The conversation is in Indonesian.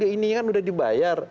ini kan sudah dibayar